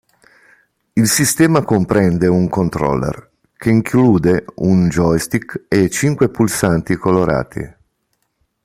Il sistema comprende un controller, che include un joystick e cinque pulsanti colorati.